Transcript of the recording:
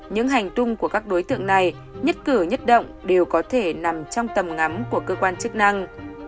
những hành tung của các đối tượng này nhất cửa nhất động đều có thể nằm trong tầm ngắm của cơ quan chức năng